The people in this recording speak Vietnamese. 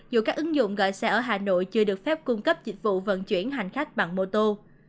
dù các ứng dụng gọi xe ở hà nội chưa được phép cung cấp dịch vụ vận chuyển hành khách bằng mô tô